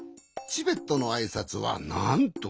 チベットのあいさつはなんと。